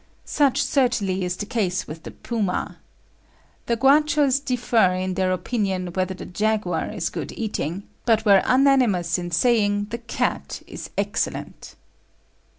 Such certainly is the case with the puma. The Guachos differ in their opinion whether the jaguar is good eating; but were unanimous in saying the cat is excellent."